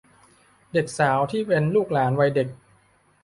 เด็กสาวที่เป็นลูกหลานวัยเด็ก